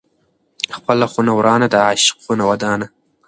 ـ خپله خونه ورانه، د عاشق خونه ودانه.